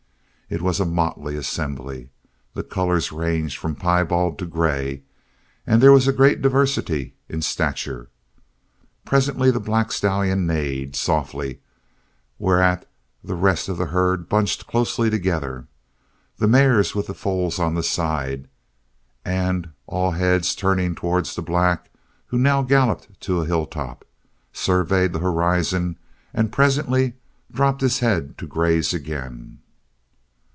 It was a motley assembly. The colors ranged from piebald to grey and there was a great diversity in stature. Presently the black stallion neighed softly, whereat the rest of the herd bunched closely together, the mares with the foals on the side, and all heads turning towards the black who now galloped to a hilltop, surveyed the horizon and presently dropped his head to graze again.